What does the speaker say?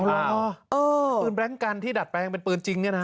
เอ้าเหรอปืนแบรนด์กันที่ดัดแปลงเป็นปืนจริงเนี่ยนะ